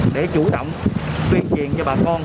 để chủ động tuyên truyền cho bà con